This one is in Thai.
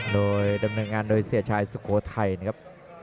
โดยดำเนินงานโดยเสียชายสุโขทัยนะครับ